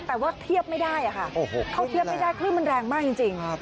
แต่ว่าเทียบไม่ได้ค่ะเข้าเทียบไม่ได้คลื่นมันแรงมากจริง